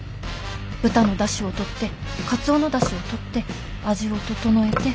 豚の出汁をとってカツオの出汁をとって味を調えて。